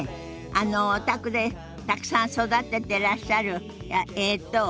あのお宅でたくさん育ててらっしゃるえっと。